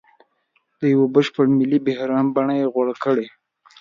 د یوه بشپړ ملي بحران بڼه یې غوره کړې.